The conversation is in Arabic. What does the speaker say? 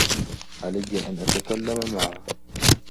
عليّ أن أتكلّمَ معه.